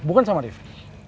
bukan sama rifqi